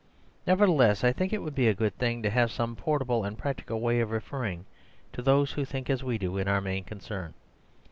Nevertheless, I think it would be a good thing to have some portable and practicable way of referring to those who think as we do in our main concern.